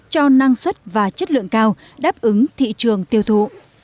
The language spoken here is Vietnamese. cho năng suất và chất lượng cao đáp ứng thị trường tiêu thụ